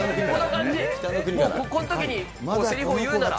もうこのときにせりふを言うなら。